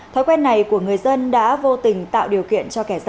thói quen này của người dân đã vô tình tạo điều kiện cho kẻ gian